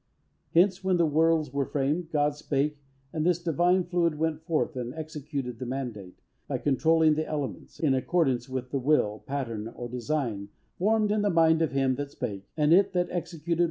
Hence, when the worlds were framed, God spake, and this divine fluid went forth and executed the mandate, by controlling the elements, in accordance with the will, pattern, or design, formed in the mind of Him that spake, and it that executed.